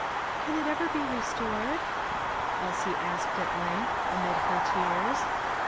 "Can it ever be restored?" Elsie asked at length, amid her tears.